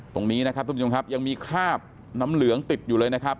ตรงนี้นะครับทุกผู้ชมครับยังมีคราบน้ำเหลืองติดอยู่เลยนะครับ